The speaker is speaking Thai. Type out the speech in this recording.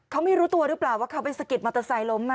เขาไม่รู้ตัวหรือเปล่าว่าเขาไปสะกิดมอเตอร์ไซคล้ม